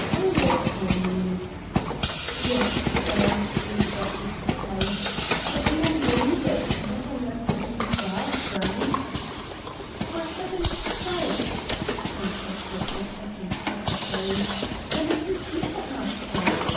"Polo ponies " "Yes, Sir," interrupted the page. "But 'e won't leave it, not unless he keeps the 'arf crown." "For Heaven's sake!" protested the Second Secretary, "then let him keep the half crown.